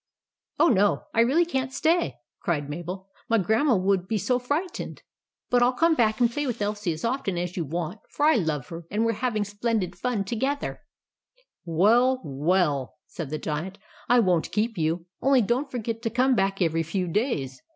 " Oh, no, I really can't stay," cried Mabel. u My Grandma would be so frightened. But I '11 come back and play with Elsie as often as you want ; for I love her, and we 're hav ing splendid fun together." THE GIANT'S CASTLE 17s "WELL, WELL," said the Giant. "I WONT KEEP YOU; ONLY DON'T FORGET TO COME BACK EVERY FEW DAYS.